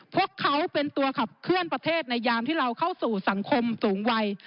พวกเขาเป็นตัวขับเคลื่อนประเทศในยามที่เราเข้าสู่สังคมสูงวัย